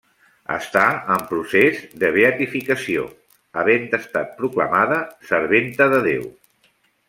Està en procés de beatificació, havent estat proclamada serventa de Déu.